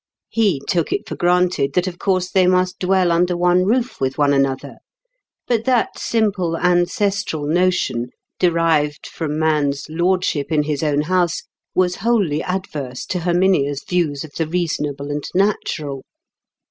He took it for granted that of course they must dwell under one roof with one another. But that simple ancestral notion, derived from man's lordship in his own house, was wholly adverse to Herminia's views of the reasonable and natural.